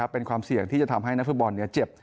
เป็นความเสี่ยงที่จะทำให้นักฟุตบอลเจ็บ